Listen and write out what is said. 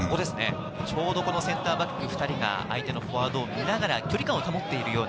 ちょうどこのセンターバック２人が相手のフォワードを見ながら距離感を保っているような。